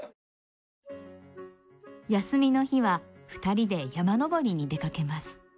休みの日は２人で山登りに出かけます。